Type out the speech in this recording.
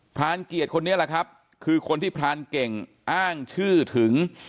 รานเกียรติคนนี้แหละครับคือคนที่พรานเก่งอ้างชื่อถึง